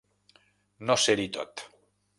No ser-hi tot.